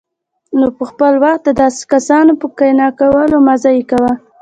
نو خپل وخت د داسي كسانو په قانع كولو مه ضايع كوه